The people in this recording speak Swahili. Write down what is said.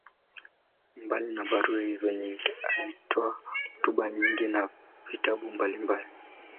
Mbali ya barua hizo nyingi, alitoa hotuba nyingi na vitabu mbalimbali.